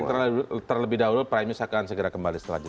kita break terlebih dahulu primis akan segera kembali setelah jeda